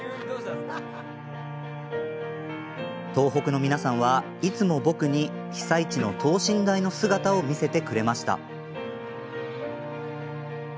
東北の皆さんはいつも僕に被災地の等身大の姿を見せてくれました。